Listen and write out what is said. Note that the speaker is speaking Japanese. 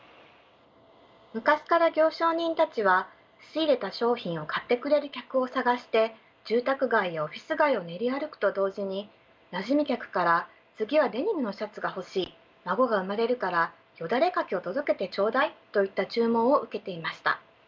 昔から行商人たちは仕入れた商品を買ってくれる客を探して住宅街やオフィス街を練り歩くと同時になじみ客から「次はデニムのシャツが欲しい」「孫が生まれるからよだれ掛けを届けてちょうだい」といった注文を受けていました。